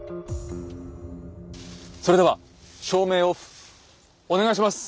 それでは照明オフお願いします。